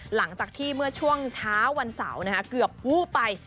หลังจากที่เมื่อช่วงเช้าวันเสาร์เกือบวูบไป